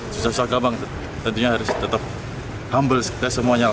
susah susah gampang tentunya harus tetap humble kita semuanya lah